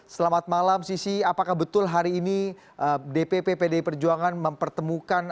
selamat malam sisi apakah betul hari ini dpp pdi perjuangan mempertemukan